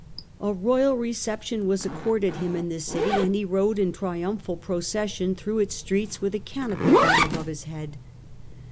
A royal reception was accorded him in this city and he rode in triumphal procession through its streets with a canopy borne above his head.